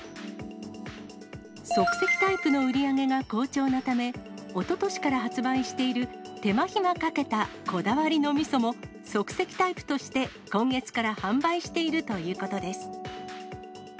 即席タイプの売り上げが好調なため、おととしから発売している、手間ひまかけたこだわりのみそも、即席タイプとして今月から販売しているということです。